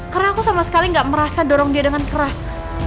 karena aku sama sekali gak merasa dorong dia dengan keras